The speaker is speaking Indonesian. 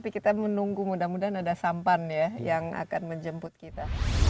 tapi kita menunggu mudah mudahan ada sampan ya yang akan menjemput kita